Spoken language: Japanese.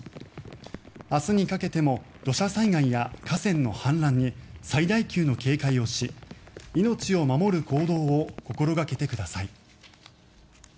明日にかけても土砂災害や河川の氾濫に最大級の警戒をし命を守る行動を心掛けてください。